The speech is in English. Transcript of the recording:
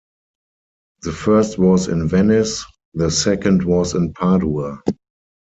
The first was in Venice, the second was in Padua.